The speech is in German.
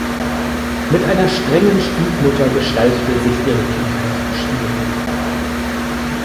Mit einer strengen Stiefmutter gestaltete sich ihre Kindheit schwierig.